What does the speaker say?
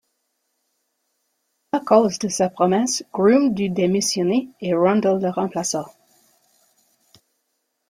À cause de sa promesse, Groom dut démissionner et Rundle le remplaça.